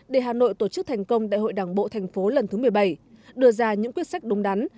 để hà nội tổ chức thành công đại hội đảng bộ thành phố lần thứ một mươi bảy đưa ra những quyết sách đúng đắn